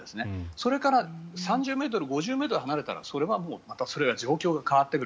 それから３０ｍ、５０ｍ離れたらそれはまた状況が変わってくる。